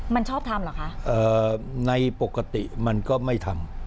มันชอบทำเหรอคะในปกติมันก็ไม่ทำ